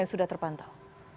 yang sudah terpantau